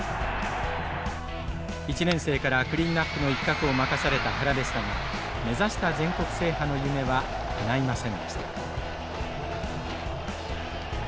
１年生からクリーンナップの一角を任された原でしたが目指した全国制覇の夢はかないませんでした。